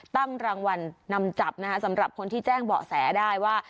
ตั้งรางวัลนำจับนะคะสำหรับคนที่แจ้งเบาะแสได้ว่า